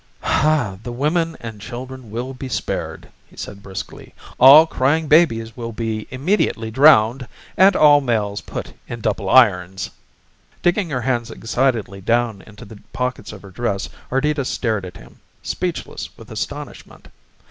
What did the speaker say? "The women and children will be spared!" he said briskly. "All crying babies will be immediately drowned and all males put in double irons!" Digging her hands excitedly down into the pockets of her dress Ardita stared at him, speechless with astonishment.